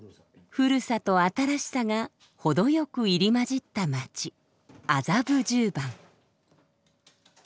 古さと新しさが程よく入り交じった街麻布十番。